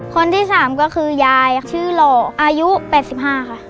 คนที่๓ก็คือยายชื่อหล่ออายุ๘๕ค่ะ